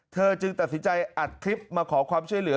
จึงตัดสินใจอัดคลิปมาขอความช่วยเหลือ